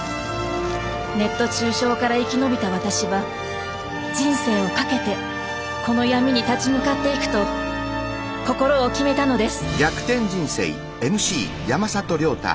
ネット中傷から生き延びた私は人生をかけてこの闇に立ち向かっていくと心を決めたのです。